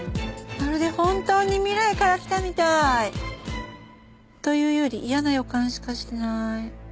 まるで本当に未来から来たみたい。というより嫌な予感しかしない。